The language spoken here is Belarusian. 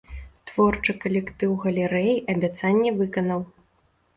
Творчы калектыў галерэі абяцанне выканаў.